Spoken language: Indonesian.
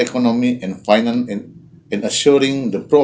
dan memastikan fungsi bank utama